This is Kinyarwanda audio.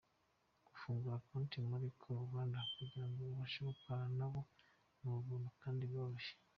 Gufungura konti muri Call Rwanda kugirango ubashe gukorana nabo, ni ubuntu kandi biroroshye.